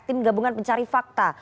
tim gabungan pencari fakta